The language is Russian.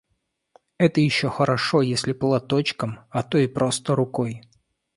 Это еще хорошо, если платочком, а то и просто рукой.